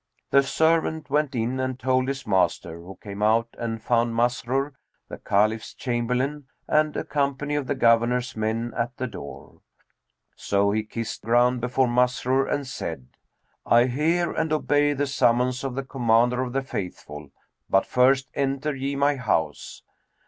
The servant went in and told his master, who came out and found Masrur, the Caliph's Chamberlain, and a company of the Governor's men at the door. So he kissed ground before Masrur and said, "I hear and obey the summons of the Commander of the Faithful; but first enter ye my house."